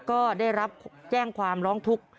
ก็ได้รับแจ้งความร้องทุกข์